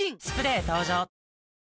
スプレー登場！